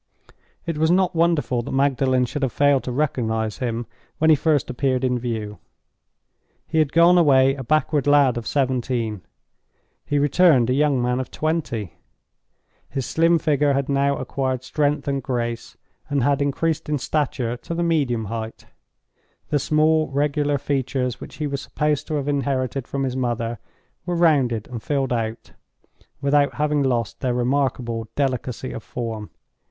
It was not wonderful that Magdalen should have failed to recognize him when he first appeared in view. He had gone away a backward lad of seventeen; he returned a young man of twenty. His slim figure had now acquired strength and grace, and had increased in stature to the medium height. The small regular features, which he was supposed to have inherited from his mother, were rounded and filled out, without having lost their remarkable delicacy of form.